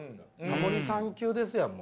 タモリさん級ですやんもう。